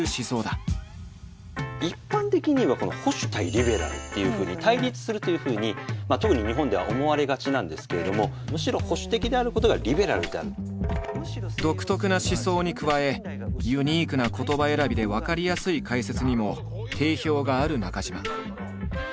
一般的に言えばこの「保守対リベラル」っていうふうに対立するというふうに特に日本では思われがちなんですけれどもむしろ独特な思想に加えユニークな言葉選びで分かりやすい解説にも定評がある中島。